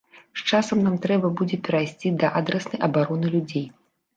З часам нам трэба будзе перайсці да адраснай абароны людзей.